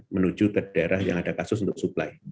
menuju ke daerah yang ada kasus untuk supply